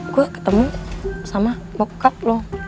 gua ketemu sama bokap lu